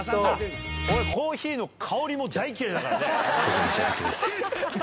俺コーヒーの香りも大嫌いだから。